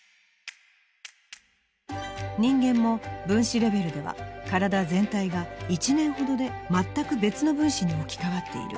人間も分子レベルでは体全体が１年ほどで全く別の分子に置き換わっている。